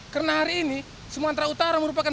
karena hari ini sumatera utara merupakan